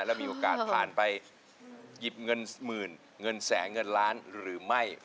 แล้วมีโอกาสผ่านไปหยิบเงินหมื่นเงินแสนเงินล้านหรือไม่